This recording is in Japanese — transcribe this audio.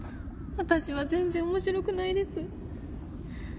私は全然面白くないです。